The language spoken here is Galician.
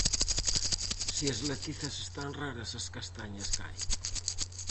Se as latizas están raras, as castañas caen.